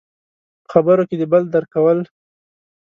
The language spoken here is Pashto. – په خبرو کې د بل درک کول.